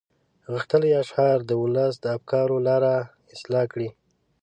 غښتلي اشعار د ولس د افکارو لاره اصلاح کړي.